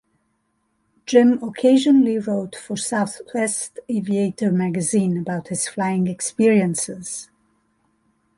Jim occasionally wrote for "Southwest Aviator" magazine about his flying experiences.